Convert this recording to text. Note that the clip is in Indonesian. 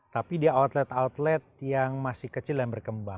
tapi di outlet outlet yang masih kecil yang berkembang